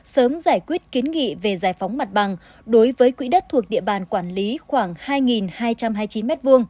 sớm giải quyết kiến nghị về giải phóng mặt bằng đối với quỹ đất thuộc địa bàn quản lý khoảng hai hai trăm hai mươi chín m hai